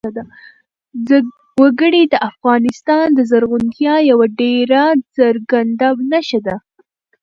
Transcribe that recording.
وګړي د افغانستان د زرغونتیا یوه ډېره څرګنده نښه ده.